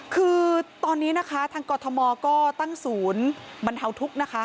คือตอนนี้นะคะทางกรทมก็ตั้งศูนย์บรรเทาทุกข์นะคะ